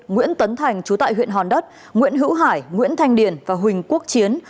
nguyễn tấn thành chú tại huyện hòn đất nguyễn hữu hải nguyễn thanh điền và huỳnh quốc chiến